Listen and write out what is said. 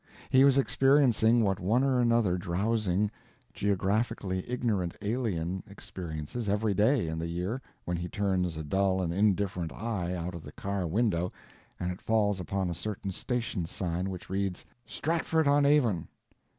He was experiencing what one or another drowsing, geographically ignorant alien experiences every day in the year when he turns a dull and indifferent eye out of the car window and it falls upon a certain station sign which reads "Stratford on Avon!"